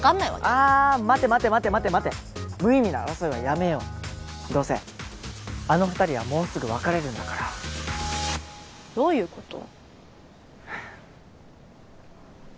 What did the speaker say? あ待て待て待て待て待て無意味な争いはやめようどうせあの２人はもうすぐ別れるんだからどういうこと？